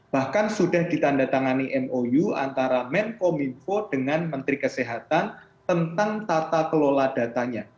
bahkan sudah ditandatangani mou antara menkominfo dengan menteri kesehatan tentang tata kelola datanya